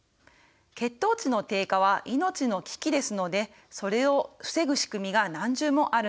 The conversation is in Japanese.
血糖値の低下は命の危機ですのでそれを防ぐ仕組みが何重もあるんですね。